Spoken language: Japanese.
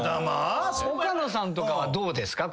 岡野さんとかはどうですか？